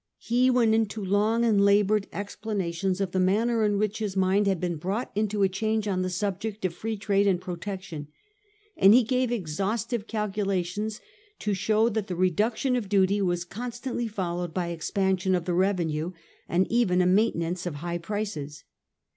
He went into long and laboured explanations of the manner in which his mind had been brought into a change on the subject of Free Trade and Protection ; and he gave exhaus tive calculations to show that the reduction of duty was constantly followed by expansion of the revenue, and even a maintenance of high prices.